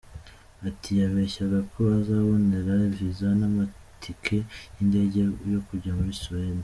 Ati“ Yababeshyaga ko azababonera viza n’amatike y’indege yo kujya muri Suède.